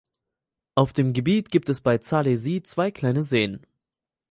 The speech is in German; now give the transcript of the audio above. Auf dem Gebiet gibt es bei Zalesie zwei kleine Seen.